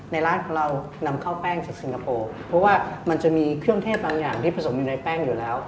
ร้านของเรานำเข้าแป้งจากสิงคโปร์เพราะว่ามันจะมีเครื่องเทศบางอย่างที่ผสมอยู่ในแป้งอยู่แล้ว